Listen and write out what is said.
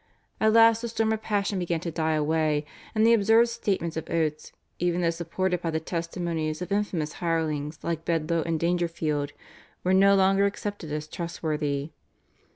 At last the storm of passion began to die away, and the absurd statements of Oates, even though supported by the testimonies of infamous hirelings like Bedloe and Dangerfield, were no longer accepted as trustworthy.